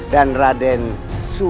dan raden kian santang